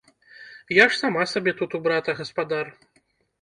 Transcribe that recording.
Я ж сама сабе тут у брата гаспадар.